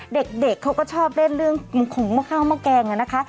เด็กเขาก็ชอบเล่นเรื่องของมะข้าวหม้อแกงนะคะ